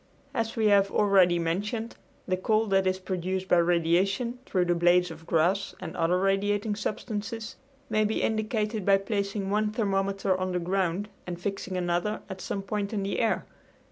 As we have already mentioned, the cold that is produced by radiation through the blades of grass and other radiating substances may be indicated by placing one thermometer on the ground and fixing another at some point in the air.